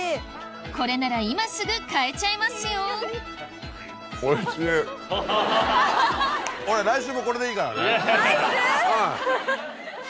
これなら今すぐ買えちゃいますよ毎週？